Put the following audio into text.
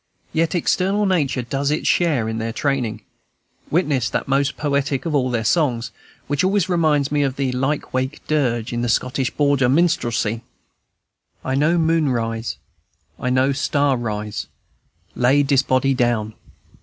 Yet external Nature does its share in their training; witness that most poetic of all their songs, which always reminds me of the "Lyke Wake Dirge" in the "Scottish Border Minstrelsy," "I know moon rise, I know star rise; Lay dis body down.